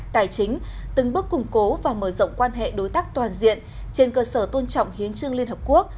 tài chính từng bước củng cố và mở rộng quan hệ đối tác toàn diện trên cơ sở tôn trọng hiến trương liên hợp quốc